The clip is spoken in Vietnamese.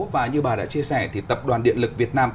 và như bà đã chia sẻ thì tập đoàn điện lực việt nam